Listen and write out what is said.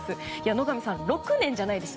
野上さん、６年じゃないです。